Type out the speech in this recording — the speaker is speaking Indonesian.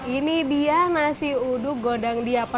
ini dia nasi uduk gondang diasa